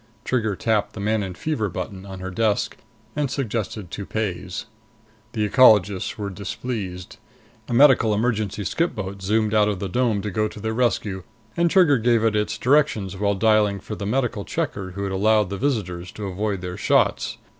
Trigger tapped the "Manon Fever" button on her desk, and suggested toupees. The ecologists were displeased. A medical emergency skip boat zoomed out of the dome to go to their rescue; and Trigger gave it its directions while dialing for the medical checker who'd allowed the visitors to avoid their shots.